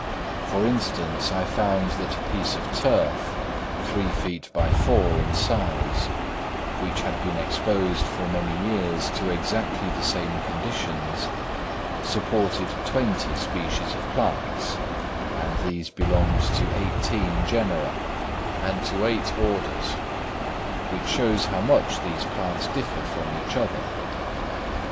For instance, I found that a piece of turf, three feet by four in size, which had been exposed for many years to exactly the same conditions, supported twenty species of plants, and these belonged to eighteen genera and to eight orders, which shows how much these plants differed from each other.